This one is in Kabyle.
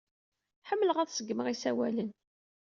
Ḥemmleɣ ad ṣeggmeɣ isawalen.